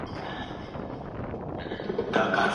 املا د زده کوونکو ځانګړې پاملرنه غواړي.